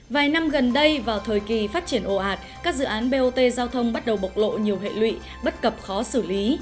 vài năm gần đây vào thời kỳ phát triển ồ ạt các dự án bot giao thông bắt đầu bộc lộ nhiều hệ lụy bất cập khó xử lý